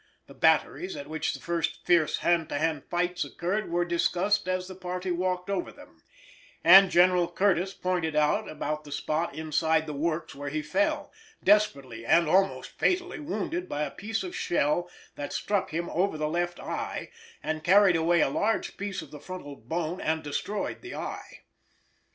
The batteries at which the first fierce hand to hand fights occurred were discussed as the party walked over them, and General Curtis pointed out about the spot inside the works where he fell, desperately and almost fatally wounded by a piece of shell that struck him over the left eye, and carried away a large piece of the frontal bone and destroyed the eye.